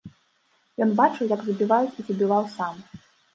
Ён бачыў, як забіваюць і забіваў сам.